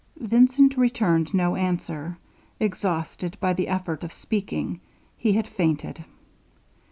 Vincent returned no answer; exhausted by the effort of speaking, he had fainted.